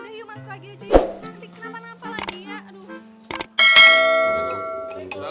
ya yuk masuk lagi aja yuk